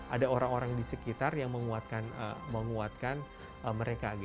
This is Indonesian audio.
ada orang orang di sekitar yang menguatkan mereka